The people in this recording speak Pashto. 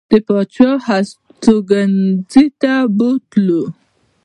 د پاچا هستوګنځي ته بوتلو.